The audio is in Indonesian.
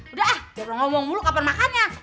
udah ah biar lo ngomong mulu kapan makannya